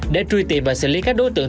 để truy tìm và xử lý các đối tượng